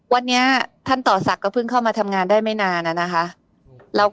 วันนี้ท่านต่อศักดิ์ก็เพิ่งเข้ามาทำงานได้ไม่นานนะคะ